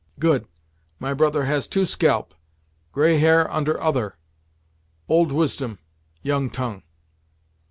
"Good! My brother has two scalp gray hair under 'other. Old wisdom young tongue."